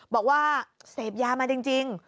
บอกว่าเสพยามาจริง